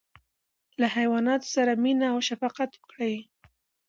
له حیواناتو سره مینه او شفقت وکړئ.